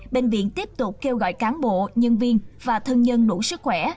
bệnh viện tiếp tục kêu gọi cán bộ nhân viên và thân nhân đủ sức khỏe